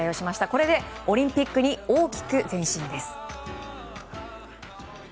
これでオリンピックに大きく前進です。